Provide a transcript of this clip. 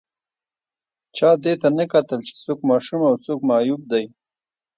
چا دې ته نه کتل چې څوک ماشوم او څوک معیوب دی